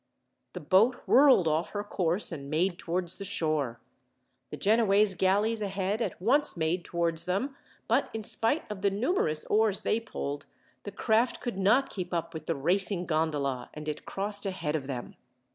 The boat whirled off her course, and made towards the shore. The Genoese galleys ahead at once made towards them; but in spite of the numerous oars they pulled, the craft could not keep up with the racing gondola, and it crossed ahead of them.